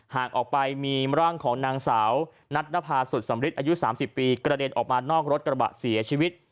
หากออกไปมีร่างของนางสาวนัทนภาสุดสำริทอายุ๓๐ปีกระเด็นออกมานอกรถกระบะเสียชีวิต